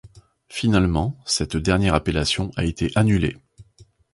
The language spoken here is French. Finalement, cette dernière appellation a été annulée.